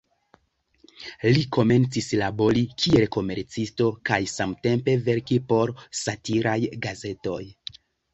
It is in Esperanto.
Li komencis labori kiel komercisto kaj samtempe verki por satiraj gazetoj.